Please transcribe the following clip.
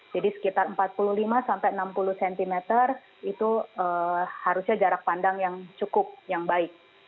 sekitar empat puluh lima sampai enam puluh cm itu harusnya jarak pandang yang cukup yang baik